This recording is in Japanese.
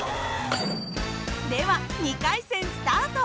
では２回戦スタート！